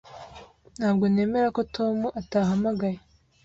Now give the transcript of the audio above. Ntabwo nemera ko Tom atahamagaye.